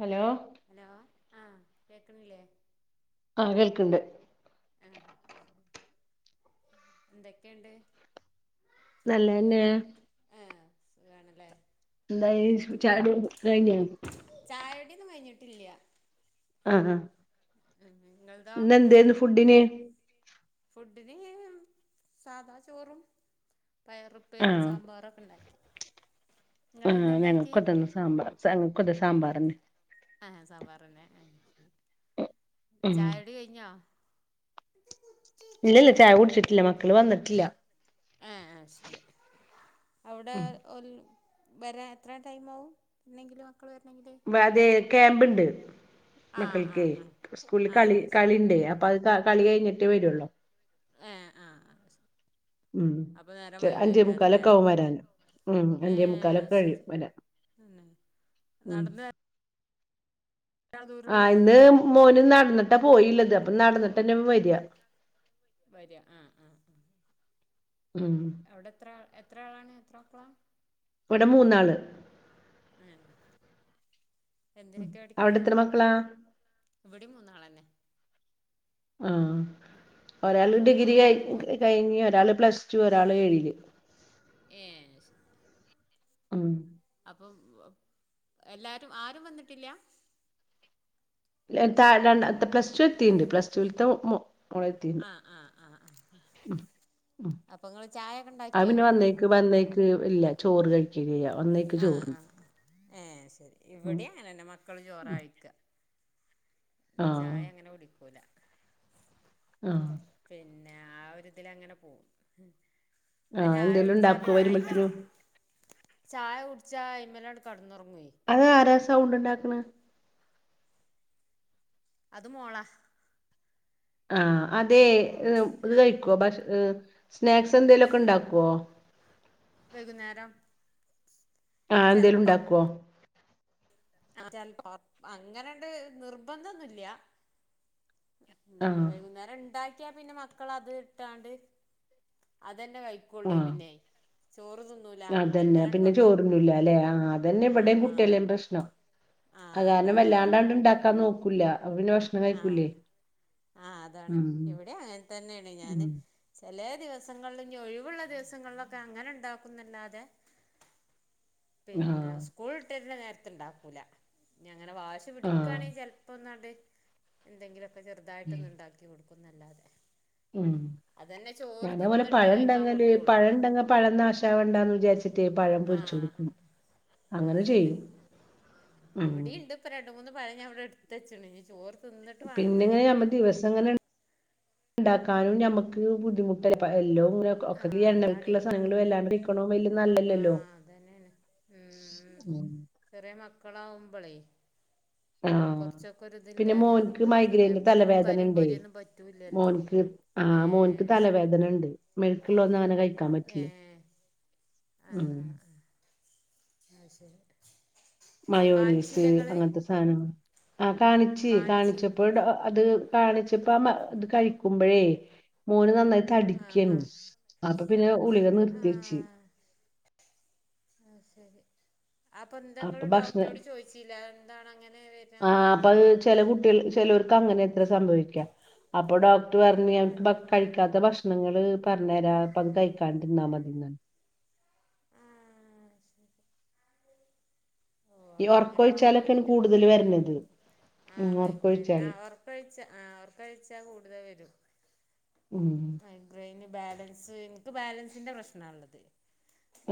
hello hello ആ കേക്കണില്ലേ ആ കേൾക്ക്ണ്ട് ആഹ് എന്തൊക്കെയുണ്ട് നല്ലതന്നെയാ ആഹ് സുഖാണ് അല്ലേ എന്തായി ചായകുടി ഒക്കെ കഴിഞ്ഞോ ചായ കുടിയൊന്നും കഴിഞ്ഞിട്ടില്ല ആഹ് ആഹ് നിങ്ങൾതയോ ഫുഡിന് ഫുഡിന് സാധാ ചോറും പയറും ഉപ്പേരിം ആഹ് സാമ്പാറൊക്കെ ഇണ്ടാക്കി ആഹ് ഞങ്ങക്കും അതേ സാമ്പാർ ഞങ്ങക്കും അതേ സാമ്പാറ് തന്നെ ആഹ് സാമ്പാറ് തന്നെ ഏ ഉം ചായകുടി കഴിഞ്ഞോ ഇല്ല യില്ല ചായ കുടിച്ചിട്ടില്ല മക്കള് വന്നിട്ടില്ല ആഹ് ആ ശരി ഉം അവിടെ- ഓല് വരാൻ എത്ര ടൈമാവും എന്തെങ്കിലും- മക്കൾള് വരണെങ്കില്- അതേ ക്യാമ്പ് ഇണ്ട് ആഹ് മക്കൾക്കേ ആഹ് ആഹ് സ്കൂളിൽ കളി ആഹ് ശരി കളിണ്ടേ അപ്പ അത് ക കളി കഴിഞ്ഞിട്ടേ വരൊള്ളു ഏഹ് ആഹ് ഉം ചെ അഞ്ചേമുക്കാലൊക്കാവും വെരാന് ഉം ഏ അഞ്ചേ മുക്കാൽ ഒക്കെ കഴിയും ശരി വരാൻ തന്നെ ഉം നടന്ന് എത്ര ദൂരള്ളൂ ആഹ് ഇന്ന് മോന് നടന്ന്ട്ടാ പോയില്ലത് അപ്പൊ നടന്നിട്ടന്നെ വര്യ വര്യ ആഹ് ആഹ് ഉം ആഹ് അവിടെ എത്ര എത്ര ആളാണ് എത്രമക്കളാ ഇവിടെ മൂന്നാള് ആഹ് എന്തിനൊക്കെ പഠിക്കണേ അവിടെ എത്ര മക്കളാ ഇവിടിം മൂന്നാലെന്നെ ആ ഒരാൾ രണ്ട് ഡിഗ്രി മോളും കഴി ഒരു മോനും കഴിഞ്ഞ് ഒരാള് പ്ലസ്ടു ഒരാള് ഏഴില് ഏ അയിശെ ഉം അപ്പം [unintelligible] എല്ലാരും ആരും വന്നിട്ടില്ല ലെ തായെ രണ്ടാത് പ്ലസ ടു എതീണ്ട് പ്ലസ്ടുൽത്തെ മോളെത്തീണ്ട് ആഹ് ആഹ് ആഹ് ആഹ് ഉം അപ്പൊ ഇങ്ങള് ചായൊക്കെ അത് ഇണ്ടാക്കിയൊ പിന്നെ വന്നേക്ക് വന്നേക്ക് ഇല്ല ചോറ് കഴിക്കലില്ല ആഹ് ആഹ് ആഹ് ഏ ശരി ഉം ഇവിടിം അങ്ങനെന്നെ മക്കള് ചോറാ ഉം കഴിക്ക ആഹ് ചായ അങ്ങനെ കുടിക്കൂല ആഹ് പിന്നെ ആ ഒരുതിലങ്ങനെ പോകും ആ ആഹ് എന്തേലും ചായുട്ച്ച ഉണ്ടാക്കോ പിന്നയിമല് വരുമ്പഴത്തിനും ചായ കുടിച്ചായ്മലണ്ട് കടന്നൊർങ്ങേ അത് ആരാ സൗണ്ട് ഇണ്ടാക്ക്ണ് അത് മോളാ ആ അതേ ഓ ഏ ഇത് ആ കഴിക്കൊ ഭക്ഷ ഏ സ്നാക്സ് എന്തേലൊക്കെ ഇണ്ടാക്കൊ വൈകുന്നേരം ആ എന്തേലും ചെലപ്പം ഇണ്ടാക്കൊ ആ ചെൽപ്പോ അങ്ങനണ്ട് നിർബന്ധൊന്നുല്ല പിന്നെ ആഹ് വൈകുന്നേരം ഇണ്ടാക്യാ പിന്നെ മക്കളത് ഇട്ടാണ്ട് അതന്നെ കഴിക്കൊള്ളേ ആഹ് പിന്നെ ചോറ് തിന്നൂല അതന്നെ അയ്മലണ്ട് പിന്നെ കടക്കും ചോറ്ന്നൂലാല്ലേ ആ അതന്നെ ആ ഇവടേം ആ കുട്ടിയാലിം പ്രശ്നം ആ അത്കാരണം അതന്നെ വല്ലാണ്ടങ്ങട്ട് ഇണ്ടാക്കാൻ നോക്കൂല അപ്പോ പിന്നെ ഭക്ഷ ആഹ് ആഹ് അതാണ് ഉം ഇവിടെ അങ്ങനതന്നേണ് ഉം ഞാന് ചെലേ ദിവസങ്ങളില് ഞ്ഞ് ഒഴിവുള്ള ദിവസങ്ങളിലൊക്കെ അങ്ങനെ ഇണ്ടാക്കുന്നല്ലാതെ ആഹ് പിന്നെ സ്കൂൾ ഇട്ടര്ണ നേരത്ത്ണ്ടാകൂല ഇനിയങ്ങനെ വാശി ആഹ് പിടിക്കുയാണെങ്കിൽ ചിലപ്പോങ്ങാണ്ട് എന്തെങ്കിലുമൊക്കെ ഉം ചെറുതായിട്ടൊന്ന് ഉണ്ടാക്കി കൊടുക്കുമെന്നല്ലാതെ ഉം ഞാനത്പോലെ പഴം കഴിക്കാൻ ഉണ്ടെങ്കില് കൊടുക്കുള്ളൂ പഴം ഉണ്ടെങ്കിൽ പഴം നാശമാവണ്ടാന്ന് വിചാരിച്ചിട്ട് പഴം പൊരിച്ചു ആഹ് കൊടുക്കും ആഹ് അങ്ങനെ ചെയ്യും ഉം ഇവിടെയുമുണ്ട് ഇപ്പൊ രണ്ട് മൂന്ന് പഴം ഞാൻ ഇവിടെ എടുത്ത് വെച്ചിട്ടുണ്ട് ചോറ് തിന്നിട്ട് വേണോന്നുണ്ടെങ്കില് ഇതങ്ങനെ ഉണ്ടാക്കാനും നമുക്ക് ബുദ്ധിമുട്ടല്ലേ എല്ലോം ഇങ്ങനെ ഒക്കെ ഈ ആഹ് അതാണേ എണ്ണയൊഴിച്ചുള്ള സാധനങ്ങൾ വല്ലാണ്ടിരികുമ്പം വലിയ നല്ലതല്ലല്ലോ ആഹ് അതന്നെയാണ് ഉം ചെറിയ മക്കളാവുമ്പളേ ആഹ് കൊറച്ചൊക്കെ ഒരു പിന്നെ ഇതില്ലാഞ്ഞാലും മോന്ക്ക് പറ്റൂല മൈഗ്രൈൻന്റെ എപ്പഴും തലവേദന കരിയും ഉണ്ടേ പൊരിയൊന്നും പറ്റൂലല്ലോ മോന്ക്ക് ആഹ് മോന്ക്ക് ഏഹ് ശരി തലവേദന ഉണ്ട് മെഴുക്കുള്ളത് ഒന്നും അവന് കഴിക്കാൻ പറ്റില്ല ഏഹ് ആഹ് ഉം ആഹ് ആഹ് അത് ശരി കാണിച്ചില്ലേ നിങ്ങള് ആം ആഹ് കാണിച്ചു കാണിച്ചപ്പോൾ അത് കാണിച്ചപ്പോ ആ ഇത് കഴിക്കുമ്പോഴേ മോന് നന്നായി ആഹ് തടിക്കാണ് ആഹ് അപ്പൊ പിന്നെ ഗുളിക നിർത്തി വെച്ച് ആഹ് ശരി അപ്പൊ എന്താ നിങ്ങൾ ഡോക്ടറോട് ചോദിച്ചില്ലേ എന്താണ് അങ്ങനെ വരാൻ ആ അപ്പൊ അത് കാരണമെന്ന് ചില കുട്ടികൾക്ക് ചിലവർക്ക് അങ്ങനെയൊക്കെ സംഭവിക്കാം അപ്പം ഡോക്ടർ പറഞ്ഞു കഴിക്കാൻ അതെ പിടിക്കാത്ത ഭക്ഷണങ്ങൾ പറഞ്ഞു തരാം അപ്പം അത് കഴിക്കാണ്ടിരുന്നാ മതിന്ന് ആഹ് ശരി ഓഹ് ഈ അപ്പൊ അങ്ങനെ ആകുമ്പോ ഒരു ഉറക്കൊഴിച്ചാലൊക്കെയാണ് കൂടുതൽ ബുദ്ധിമുട്ടാല്ലേ വരണത് ഉം ആഹ് മൈഗ്രേന് ഉറക്കൊഴിച്ചാല് ഉറക്കമൊഴിച്ചാൽ ആഹ് ഉറക്കമൊഴിച്ചാൽ കൂടുതൽ വരും ഉം മൈഗ്രെയിന് ബാലൻസ് ഇൻക്ക് ബാലൻസിന്റെ പ്രശ്നാള്ളത്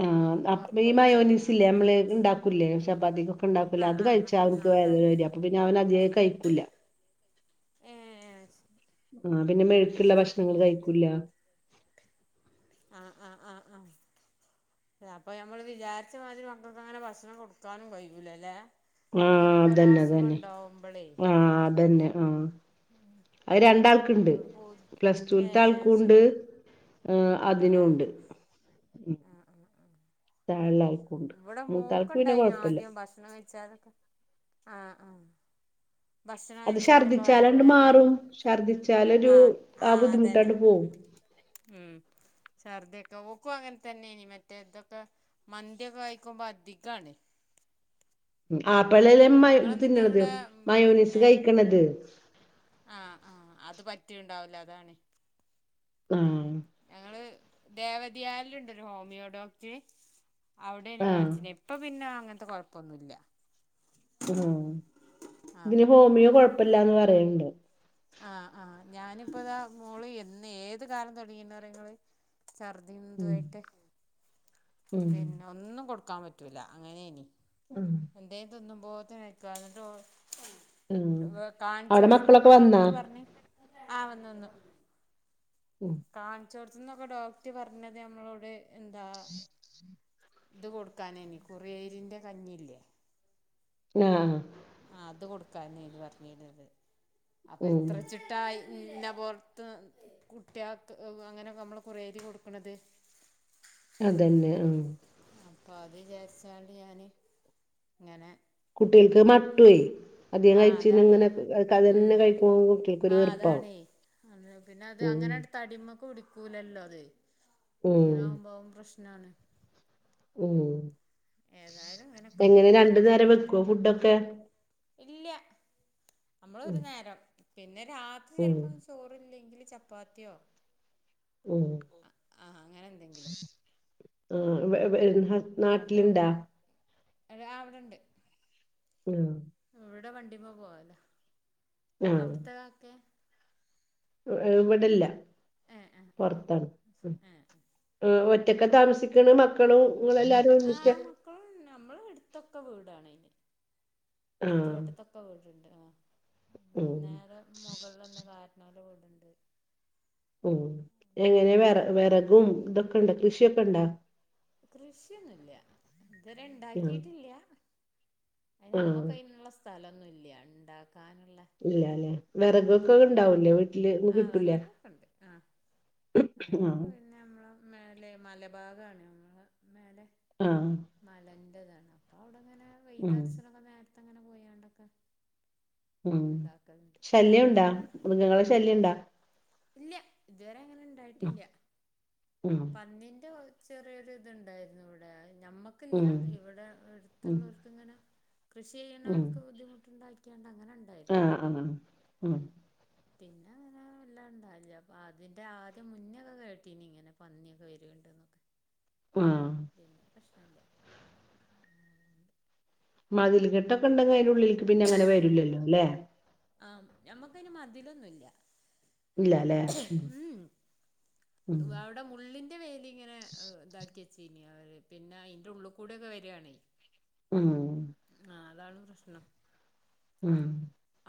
ആഹ് അപ്പൊ ഈ മയോനിസ് ആ ഇല്ലേ നമ്മള് ആ ഉണ്ടാക്കൂലേ ചപ്പാത്തിക്കൊക്കെണ്ടാകുലേ അത് ആ ആ കഴിച്ചാൽ ആ അവർക്ക് ആ വേദന വരിക പിന്നെ അവൻ അദ്ധ്യേ കഴിക്കൂല്ല ഏ ആഹ് പിന്നെ മെഴുക്ക്ള്ള ഭക്ഷണങ്ങൾകഴിക്കൂല്ല ആഹ് ആഹ് ആഹ് ആഹ് അപ്പൊ നമ്മള് വിചാരിച്ച മാതിരി മക്കൾക്ക് അങ്ങനെ ഭക്ഷണം കൊടുക്കാനും കഴിയൂല്ല അല്ലെ ആഹ് ഇങ്ങനൊക്കെ ഒരോ അതന്നെ അസുഖം അതന്നെ ഉണ്ടാവുമ്പളേ ആഹ് അത് തന്നെ ആഹ് ഏഹ് അത് രണ്ടാൾക്ക്ണ്ട് ഏ പ്ലസ്ടൂൽത്തെ ആൾക്കൂണ്ട് ശരി ഉം ഉണ്ടല്ലേ അതിനൂണ്ട് താഴെള്ള ആൾ ഇവടെ മോക്ക്ണ്ടേയ്നി ആദ്യം ഭക്ഷണം കഴിച്ചാലൊക്കെ ആഹ് ആഹ് ഭക്ഷണം അത് കഴിച്ചാലൊക്കെ ഛർദിച്ചാലണ്ട് വയറുവേദനിം മാറും ഛർദിച്ചാലൊരു ആഹ് ആ ആഹ് അതന്നെ ബുദ്ധിമുട്ടാണ്ട് ഉം പോവും ഉം ഉം ഛർദ്ദി ഒക്കെ ഓക്കും അങ്ങൻതന്നെനി മറ്റേതൊക്കെ മന്തിയൊക്കെ കഴിക്കുമ്പോ അധികാണ് ആഹ് പെണ്ണല്ലേ മയ് ഞങ്ങളെന്നിട്ട് തിന്ന്ണത് ഇവിടെ മയോനിസ് പിന്നെ കഴിക്ക്ണത് ആഹ് ആഹ് അത് പറ്റ്ണ്ടാവുല അതാണ് ആഹ് ഞങ്ങള് ദേവതിയാലുണ്ട് ഒരു ഹോമിയോ ഡോക്ടർ അവ്ടെനി ആഹ് കാണിച്ചിനി ഇപ്പപിന്നെ അങ്ങൻത്തെ കൊഴപ്പൊന്നുല്ല ആഹ് ആഹ് ഇതിന് ഹോമിയോ കൊഴപ്പില്ലാന്ന് പറയണ്ട് ആഹ് ആഹ് ഞാനിപ്പതാ മോള് എന്ന് ഏത്കാലം തുടങ്ങിണ് അറിയൊങ്ങള് ഛർദ്ദിം ഉം ഇതുആയിട്ട് ഉം പിന്നെ ഒന്നും കൊടുക്കാൻ പറ്റൂല അങ്ങനേനി ഉം എന്തേ തിന്നുമ്പോതിൻ ആഹ് [unintelligible] അവിടെ കാണിച്ചോട്ത്ത്ന്നൊക്കെ മക്കളൊക്കെ വന്നാ ഡോക്ടർ പർഞ്ഞ് ആ വന്ന് വന്ന് ഉം കാൺച്ചോട്ത്ത്ന്നൊക്കെ ഡോക്ടർ പർഞ്ഞത് നമ്മളോട് എന്താ ത് കൊടുക്കാനേനി കുറിയേരിന്റെകഞ്ഞില്ലേ ആഹ് ആ അത് കൊടുക്കാനേനു പറഞ്ഞീര്ന്നത് അപ്പൊ ഉം എത്ര ച്ചിട്ടായി ഇന്ന പുറത്ത് കുട്ട്യാക്ക് അങ്ങനെയൊക്കെ നമ്മള് കുറിയരി കൊടുക്ക്ണത് അതന്നെ ആ അപ്പത് വിചാരിച്ചാണ്ട് ഞാന് ഇങ്ങനെ കുട്ടികൾക്ക് പിന്നെ മട്ടുവേ അധികം ആ കഴിച്ചന്ന അതാണേ ഇങ്ങനെ ഉം അതന്നെ കഴിക്കുമ്പോ ആ കുട്ട്യേക്കൊരു വെറുപ്പാവും അതാണേ അത് പിന്നെ അത് ഉം അങ്ങനെണ്ട് തടിമക്ക് പുടിക്കൂലല്ലോ അത് ഉം അങ്ങനാകുമ്പോ അതുംപ്രശ്നാണ് ഉ ഉം ഏതായ്ലും ഇങ്ങനൊക്കെ പോവ്ണ്ട് ക്കോ ഫുഡൊക്കെ ഇല്യ ഉം നമ്മളൊരു നേരം പിന്നെ ഉം രാത്രിചെൽപ്പം ചോറില്ലെങ്കില് ചപ്പാത്തിയോ ഉം ആ അങ്ങനെന്തെങ്കിലും ആഹ് വെ വെര്ന്ന നാട്ടിലിണ്ടാ അതാ വടെണ്ട് ആഹ് ഇവിടെ വണ്ടിമ്മ പോവലാ ആഹ് അവിട്ത്തെകാക്കേ ഇവിടില്ല ഏഹ് ആഹ് പൊറത്താണ് ആഹ് ഏഹ് ഒറ്റക്കാ താമസിക്ക്ണ് മക്കളും ഇങ്ങളെല്ലാരും ഒര്മിച്ച മക്കളും നമ്മളെട്ത്തൊക്കെ വീടാണെയ്ന് ആഹ് ചുറ്റുവട്ടത്തൊ ക്കെ വീട്ണ്ട് ആ നമ്മളെ ഉം നേരെ മുകൾലെന്നെ കാർന്നോരെ വീട്ണ്ട് ഉം ഏ വെറ അങ്ങനെ പേടി വെറകും ഇതൊക്കെണ്ടോ കൃഷിയൊക്കെണ്ടോ കൃഷിയൊന്നുല്ല ആഹ് ഇതരേണ്ടാക്കിട്ടില്ല ആയിൻ ആഹ് നമ്മക്ക് അതിനുള്ള സ്ഥലന്നൂല്യ ഇണ്ടാക്കാനില്ലേ ഇല്ലാല്ലേ വെറകൊക്കെ ഇണ്ടാവുല്ലേ വീട്ടില് ഒന്ന് ആഹ് കിട്ടൂല്ലേ വറകൊക്കെ പിന്നെ നമ്മളെ മേലെ മലഭാഗാണ് നമ്മളെ മേലെ ആഹ് മലന്റെതാണ് അപ്പൊ അവിടെങ്ങനെ ഉം വെയിലർച്ച്ണൊക്കെ നേരത്തങ്ങനെ പോയാണ്ടൊക്കെ ഉം ഉണ്ടാക്കലുണ്ട് ശല്യംണ്ടാ മൃഗങ്ങളെ ശല്യുണ്ടാ ഇല്യ ഇതുവരെ അങ്ങനെണ്ടായിട്ടില്ല ഉം പന്നിന്റെ ഒരു ചെറിയൊരിതുണ്ടായിരുന്നു ഇവിടെ ഞമ്മക്കില്ല ഉം ഇവിടെ ഉം എടുത്തുള്ളൊരു ഇങ്ങനെ കൃഷി ഉം ചെയ്യ്ണയാൾക്ക് ബുദ്ധിബുട്ടുണ്ടാകിയാണ്ട് അങ്ങനെ ഉണ്ടായിരുന്നു ആഹ് ആഹ് ഉം പിന്നെ അങ്ങനെ വല്ലണ്ടവലില്ല അതിന്റെ ആദ്യം മുന്നൊക്കെ കേട്ടീനി ഇങ്ങനെ പന്നിയൊക്കെ വേരെയാണ്ട് എന്നൊക്കെ ഉം പിന്നെ പ്രശ്നല്ല മതില് കെട്ടൊക്കെണ്ടെങ്കി അതിന്റെ ഉള്ളിൽ പിന്നങ്ങനെ വരില്ലല്ലോലെ ആഹ് നമ്മക്കായിന് മതിലൊന്നുല്ല ഇല്ലല്ലേ ഉം മ്മ് ഉം വടെ മുള്ളിൻ ഇന്റെ വേലിങ്ങനെ ഇതാക്കി വെച്ചീനി അവര് പിന്നെ അയിന്റെ ഉള്ളുകുടെ വരാണെ ഉം ആഹ് അതാണ് പ്രശ്നം ഉം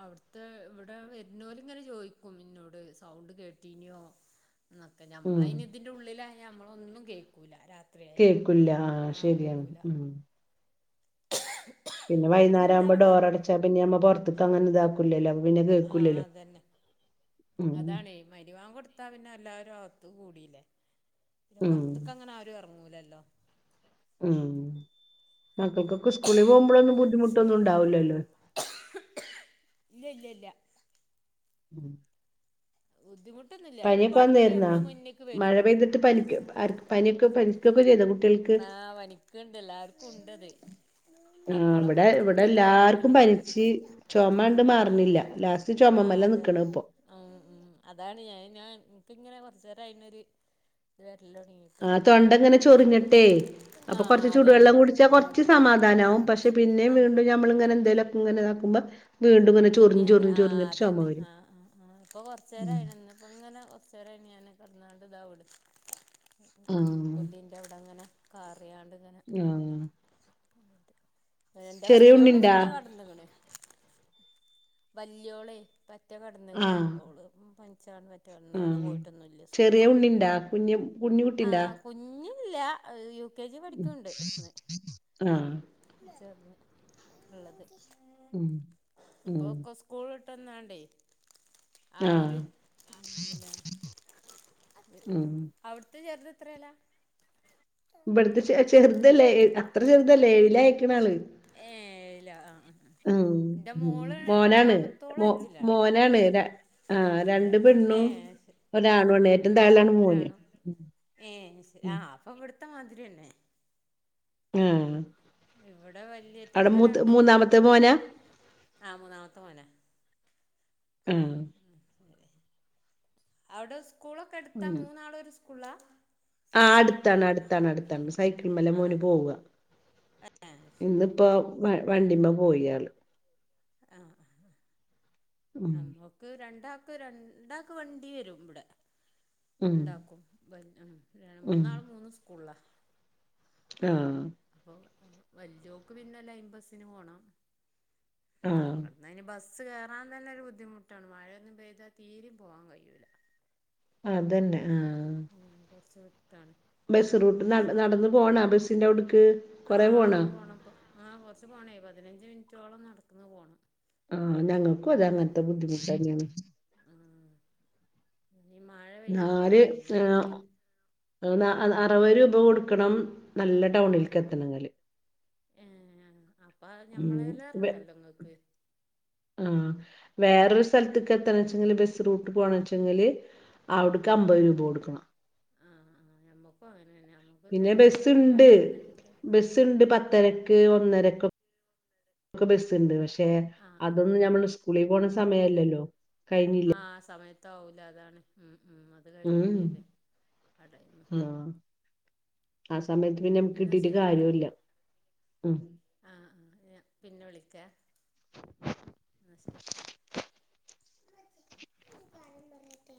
ആവ്ട്ത്തെ ഇവിടെ വര്ന്നോല് ഇങ്ങനെ ചോയിക്കും ഇന്നോട് സൗണ്ട് കേട്ടീനോ ന്നൊക്കെ ഉം നമ്മളായിന് ഇതിന്റെ ഉള്ളിലായാ ഞമ്മളൊന്നും കേക്കുല്ല രാ രാത്രയായാല് കേക്കൂല്ല ആ ആഹ് ശരിയാണ് കേൾക്കൂല ഉം പിന്നെ വഴിനേരം നിങ്ങളെന്താ വഴിനാരാകുബോ ഭക്ഷ ഡോർ അട ചാ പിന്നെ നമ്മള് പൊറത്തേക്ക് പൊറ്ത്ത്ക്ക അങ്ങനെ ഇതാക്കൂലല്ലോ അപ്പോ പിന്നെ കേക്കൂലല്ലോ അതാണ് മഗിരിബ് ബാങ്ക് കൊടുത്ത പിന്നെ എല്ലാവരും അകത്തും കൂടില്ലേ പിന്നെ ഉം പോർ ത്ത്, അങ്ങനെ ആരും എറങ്ങുല്ലല്ലോ ഉം മക്കക്കൊക്കെ സ്കൂളിൽ പോകുമ്പോഴൊന്നും ബുദ്ധിമുട്ടൊന്നും ഉണ്ടാവുല്ലല്ലോ ഇല്ല്യ ഇല്ല ഇല്ല ഉം ബുദ്ധിമുട്ടൊന്നുല്ല അയിന് വണ്ടി നമ്മളെ മുന്നിക്ക് വരും ത്ത് പാലിപ്പ് ആർക് പനിക്കെ പ ആഹ് വനിക്കിണ്ട് എല്ലാർക്കും ഉണ്ടത് ആഹ് മക്കളൊക്കെ ഇവിടെ ഇപ്പം ഇവിടെ ഇന്ന് പോവല് എല്ലാർക്കും തുടങ്ങിയതാ പനിച്ച് ചുമണ്ട് ഏഹ് മാർന്നില്ല ലാസ്റ്റ് ത്ത് ചുമമ്മല്ല അതന്നെ നിൽക്കണ് ഇപ്പോൾ ആഹ് ഉം അതാണ് ഞാ ഞാൻ എനിക്കിങ്ങനെ കൊറച്ചേരായി അയിനോരു ഇത് വേരെലോടങ്ങി ആഹ് തൊണ്ടങ്ങനെ ചൊറിഞ്ഞിട്ടെ അപ്പൊ ആഹ് കുറച്ച് അതന്നെ ചൂടുവെള്ളം കുടിച്ചാ ആഹ് കൊർച് ആഹ് സമാധാനമാവും പക്ഷെ പിന്നെ ആഹ് വീണ്ടും നമ്മളിങ്ങനെന്തേലും ഇങ്ങനെ ഇതാകുബോ പിന്നെ അത് ആഹ് അതന്നെ വരും ആഹ് ആഹ് ആഹ് ഇപ്പൊ ഉം കൊറചേരയിണ് ഇപ്പോങ്ങനെ കൊറച്ചേരായി ഞാൻ കടന്നാണ്ട് ഇതാവ്ണ് ആഹ് കൊല്ലീൻ്റെ അവിടെ അങ്ങനെ കാറിയാണ്ട് ഇങ്ങനെ ആഹ് ഏ എന്റെ ചെറിയ വല്ല്യൊള്ള് ഉണ്ണിണ്ടാ പറ്റെ കടന്ന്ക്കാണ് വല്ല്യോളയി പറ്റെ കടന്നികണ് ആഹ് ഓള് ഉം പനിച്ച് കടന്ന മറ്റൊന്ന് ഇന്ന് ആഹ് പോയിട്ടൊന്നുല്ല ചെറിയ സ്കൂൾക്ക് ഉണ്ണിണ്ടാ കുഞ്ഞ് കുഞ്ഞു കുട്ടിണ്ടാ ആഹ് കുഞ്ഞില്ല അഹ് യു കെ ജി പഠിക്കുംണ്ട് ന്ന് ആഹ് ച്ചേർന്ന് ഉള്ളത് ഉം ഉം ഇപ്പൊക്ക സ്കൂൾട്ടന്നാണ്ടേ ആഹ് ഒരു ഉം അവിടുത്തെ ചെറുത് എത്രെലാ ഇവിടുത്തെ ചെ ചെറുതല്ലേ എ അത്ര ചെറുതല്ലേ എഴില് അയ്ക്കണ് ആള് ഏഴില ആഹ് ആഹ് ഉം എൻ്റെ മോള് ഉംമോനാണ് രണ്ടാമത്തോള് മോ അഞ്ചിലാണ് മോനാണ് രാ ആഹ് രണ്ട് പെണ്ണും ഏഹ് ശരി ഒരാണുണ് ഏറ്റവും താഴള്ളാണ് മോന് ഏ സ് ഉം ആഹ് അപ്പൊ ഇവിടുത്തെ മാതിരിയന്നെ ആഹ് ഇവിടെ അവിടെ വല്ലേറ്റങ്ങള് മൂത്ത രണ്ടും മൂന്നാമത്തെ മോളാണ് മോനാ ആഹ് മൂന്നാമത്തെ മോനാ ആഹ് ഉം ശെരി അവിടെ സ്കൂളൊക്കെ അടുത്താ ഉം മൂന്നാളും ഒരു സ്കൂളാ ആഹ് അടുത്താണ് അടുത്താണ് അടുത്താണ് സൈക്കിൾ മെല്ല മോന് പോവാ അഹ് ആഹ് ശരി വ വണ്ടിമ്മ പോയാള് ആഹ് ആഹ് ആഹ് ഉം നമുക്ക് രണ്ടാക്ക് രണ്ടാക്ക് വണ്ടി വരും ഇവിടെ ഉം ണ്ടാക്കും വൽ ഉം ഉം മൂന്നാളും മൂന്ന് സ്കൂള്ളാ ആഹ് അപ്പൊ വല്ല്യോക്ക് പിന്നെ ലൈം ബസിന് പോണം ആഹ് ന്നായ്ന് ബസ്സ് കയറാൻ തന്നെ ഒരു ബുദ്ധിമുട്ടാണ് മഴയൊന്നും പെയ്താൽ തീരിം പോകാൻ കഴിയുല്ല അതന്നെ ആഹ് ഉം കുറച്ച് വിട്ടാണ് ബസ്സ് റൂട്ട് നട് നടന്ന് പോണ ബസ്സിൻ്റെ അവുടുക്ക് ആഹ് അവർക്ക് പോണപ്പം ആഹ് കുറച്ച് പൊണേ പതിനഞ്ച് മിനിറ്റോളം നടക്കന്ന് പോണം ആഹ് ഞങ്ങക്കു അതെ അങ്ങനൻത്തെ ബുദ്ധിമുട്ട്ന്നെണ് ആഹ് ഇനി മഴ നാല് പെയ്യുമ്പഴാണേ ഏഹ് ഒറ്റ നാ ന അറുപത് രൂപ കൊടുക്കണം നല്ല ആഹ് ടൗണിൽക്ക് എത്തണെങ്കില് ഏഹ് അപ്പ ഉം വെ ഞമ്മളെല്ലേറണ്ടല്ലോ ങ്ങൾക്ക് ആഹ് വേറൊരു സ്ഥലത്ക് എത്തണച്ചെങ്കില് ബസ് റൂട്ട് പോണ വെച്ചെങ്കിൽ ആഹ് അവിട്ക്ക് അം മ്പഹ് രൂപം കൊടുക്കണം ആഹ് ആഹ് ഞമ്മക്കും അങ്ങനെന്നെയാ അമു പിന്നെ ബസ്സ്ണ്ട് ഉം ബസ്സ്ണ്ട് പത്തരക്ക് ഒന്നരക്ക് ക്കെ ബസ്ണ്ട് പക്ഷെ ആഹ് ആഹ് അതൊന്നും ആഹ് ആഹ് ഞമ്മള് സ്കൂളി പോണ സമയല്ലല്ലോ കഴിഞ്ഞില്ലേ ആഹ് സമയത്ത് ആവൂല അതാണ് ഉം ഉം അത് ഉം കഴിഞ്ഞും ചെയ്ത് ആ ടൈമ് ആഹ് ആ സമയത്ത് പിന്നെ നമുക്ക് ഇന്നാ കിട്ടിട്ട് ശരിട്ടോ കാര്യുല്ല ഉം ആഹ് ആഹ് ഞാ പിന്നെ വിളിക്കേ ന്ന ശരി ഉമ്മച്ചി ഒരു കാര്യം പറയട്ടെ